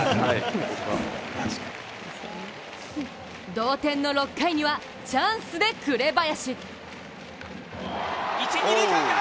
同点の６回にはチャンスで紅林。